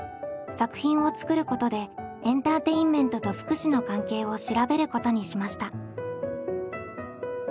作品を作ることでエンターテインメントと福祉の関係を調べることにしました。